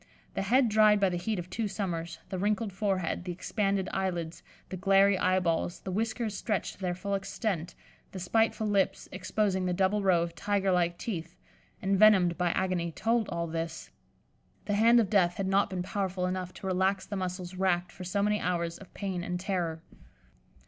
The head dried by the heat of two summers, the wrinkled forehead, the expanded eyelids, the glary eyeballs, the whiskers stretched to their full extent, the spiteful lips, exposing the double row of tiger like teeth, envenomed by agony, told all this. The hand of death had not been powerful enough to relax the muscles racked for so many hours of pain and terror.